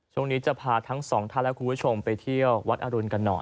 ช่วงนี้จะพาทั้งสองท่านและคุณผู้ชมไปเที่ยววัดอรุณกันหน่อย